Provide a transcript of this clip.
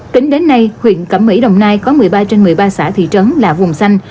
tính đến nay huyện cẩm mỹ đồng nai có một mươi ba trên một mươi ba xã thị trấn là vùng xanh